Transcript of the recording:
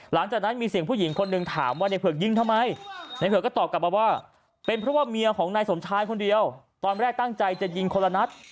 หลังจากนั้นมีเสียงผู้หญิงคนหนึ่งถามว่าในเผือกยิงทำไมในเผือกก็ตอบกลับมาว่าเป็นเพราะว่าเมียของนายสมชายคนเดียวตอนแรกตั้งใจจะยิงคนละนัด